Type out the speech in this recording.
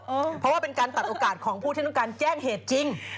เพราะว่าเป็นการตัดโอกาสของผู้ที่ต้องการแจ้งเหตุจริง